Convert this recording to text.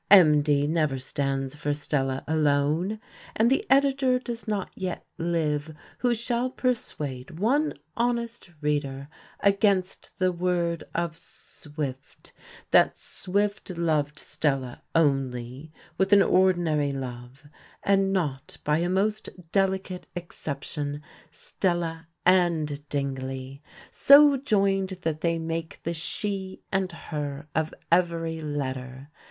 "MD" never stands for Stella alone. And the editor does not yet live who shall persuade one honest reader, against the word of Swift, that Swift loved Stella only, with an ordinary love, and not, by a most delicate exception, Stella and Dingley, so joined that they make the "she" and "her" of every letter.